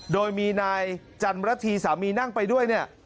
โดยมีนายจันระธีสามีนั่งไปด้วยเนี่ย